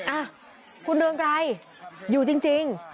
อ่ะคุณเรืองไกรอยู่จริง